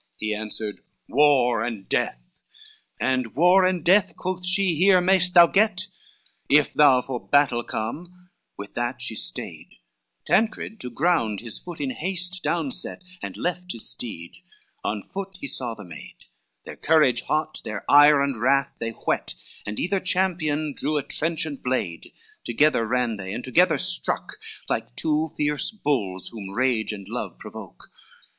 He answered, "War and death." LIII "And war and death," quoth she, "here mayest thou get If thou for battle come," with that she stayed: Tancred to ground his foot in haste down set, And left his steed, on foot he saw the maid, Their courage hot, their ire and wrath they whet, And either champion drew a trenchant blade, Together ran they, and together stroke, Like two fierce bulls whom rage and love provoke.